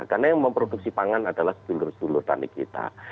karena yang memproduksi pangan adalah sebulur sebulur tanik kita